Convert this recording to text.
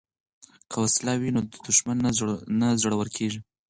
که وسله وي نو دښمن نه زړور کیږي.